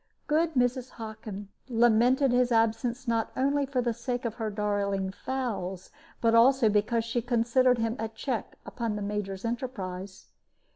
Good Mrs. Hockin lamented his absence not only for the sake of her darling fowls, but also because she considered him a check upon the Major's enterprise.